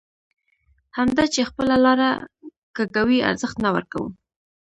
همدا چې خپله لاره کږوي ارزښت نه ورکوو.